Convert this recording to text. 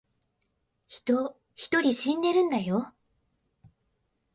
人一人死んでるんだよ